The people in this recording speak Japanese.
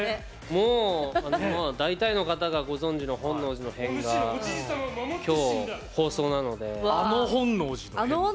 もう大体の方がご存じの「本能寺の変」が今日、放送なので。